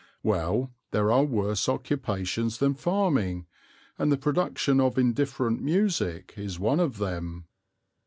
Well, there are worse occupations than farming, and the production of indifferent music is one of them.